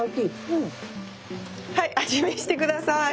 はい味見して下さい。